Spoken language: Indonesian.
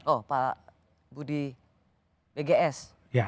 oh pak budi bgs